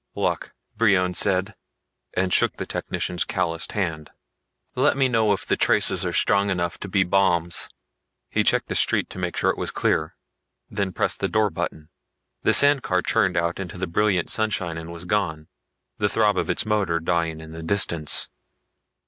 "Luck," Brion said, and shook the technician's calloused hand. "Let me know if the traces are strong enough to be bombs." He checked the street to make sure it was clear, then pressed the door button. The sand car churned out into the brilliant sunshine and was gone, the throb of its motor dying in the distance.